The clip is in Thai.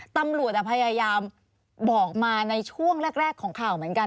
ตำรวจพยายามบอกมาในช่วงแรกของข่าวเหมือนกัน